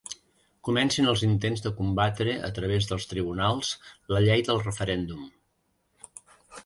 Comencen els intents de combatre a través dels tribunals la llei del referèndum.